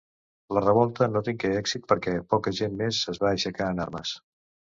La revolta no tingué èxit perquè poca gent més es va aixecar en armes.